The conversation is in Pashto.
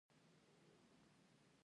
د نړۍ ډېری سیندونه له غرونو راټوکېږي.